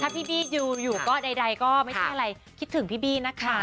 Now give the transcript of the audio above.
พี่บี้ดูอยู่ก็ใดก็ไม่ใช่อะไรคิดถึงพี่บี้นะคะ